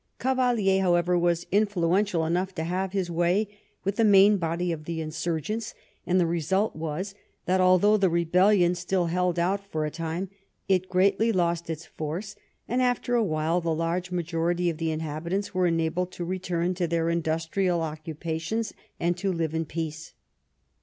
Cavalier, however, was influential enough to have his way with the main body of the insurgents, and the result was that, although the rebellion still held out for a time, it greatly lost its force, and after a while the large majority of the inhabitants were enabled to re turn to their industrial occupations and to live in peace.